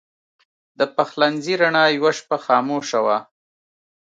د پخلنځي رڼا یوه شپه خاموشه وه.